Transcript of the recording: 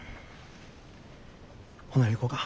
ほな行こか。